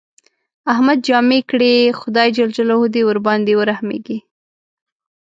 احمد جامې کړې، خدای ج دې ورباندې ورحمېږي.